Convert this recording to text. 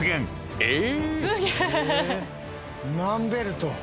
マンベルト。